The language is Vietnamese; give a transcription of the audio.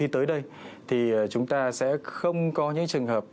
thì chúng ta sẽ không có những trường hợp